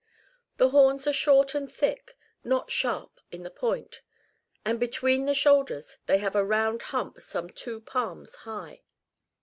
The horns are short and thick, not sharp in the point ; and between the shoulders they have a round hump some two palms high.